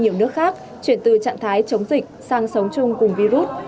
nhiều nước khác chuyển từ trạng thái chống dịch sang sống chung cùng virus